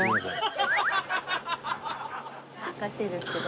お恥ずかしいですけど。